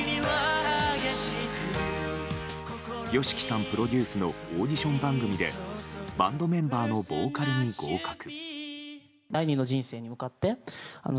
ＹＯＳＨＩＫＩさんプロデュースのオーディション番組でバンドメンバーのボーカルに合格。